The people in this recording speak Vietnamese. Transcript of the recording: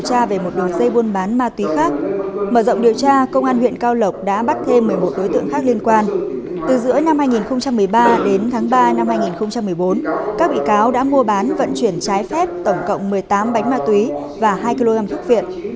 các bị cáo đã mua bán vận chuyển trái phép tổng cộng một mươi tám bánh ma túy và hai kg thuốc viện